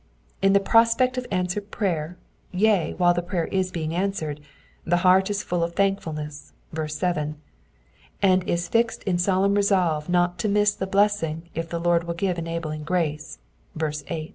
In the prospect of ansicered prayer, yea, while the prayer is being answered, the heart is fuU of thankfulness {verse 7), and is fixed in solemn resolve not to miss the blessing if the Lord wiU give enabling grace {verse 8).